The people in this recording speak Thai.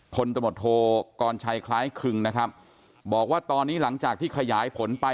ตมโทกรชัยคล้ายคึงนะครับบอกว่าตอนนี้หลังจากที่ขยายผลไป